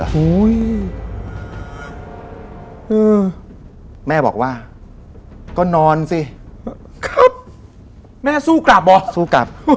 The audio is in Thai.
โอ้โหแม่บอกว่าก็นอนสิครับแม่สู้กลับเหรอสู้กลับ